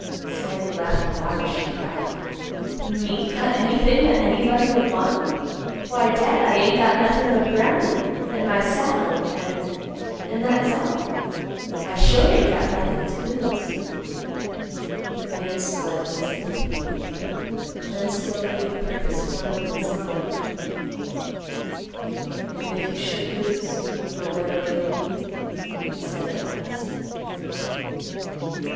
Sammy laughed aloud, as she cried, "Me got anything that anybody would want? Why, Dad, I ain't got nothin' but Brownie, and my saddle, and—and that's all. I sure ain't got nothing to lose." The man smiled in sympathy. Then slowly a purpose formed in his mind. "And if you should lose, you will never blame me?" he said at last.